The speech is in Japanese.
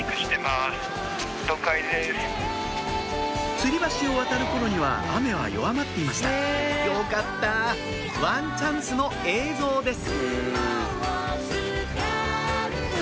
つり橋を渡る頃には雨は弱まっていましたよかったワンチャンスの映像です